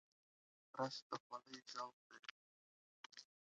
رس د خولې ذوق دی